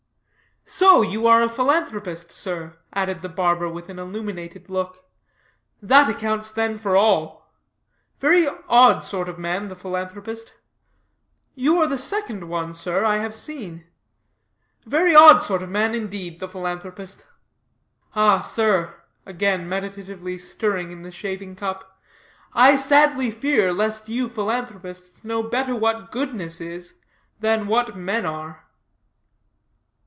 "So you are a philanthropist, sir," added the barber with an illuminated look; "that accounts, then, for all. Very odd sort of man the philanthropist. You are the second one, sir, I have seen. Very odd sort of man, indeed, the philanthropist. Ah, sir," again meditatively stirring in the shaving cup, "I sadly fear, lest you philanthropists know better what goodness is, than what men are."